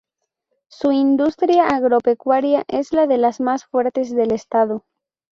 Su industria agropecuaria es de las más fuertes del estado.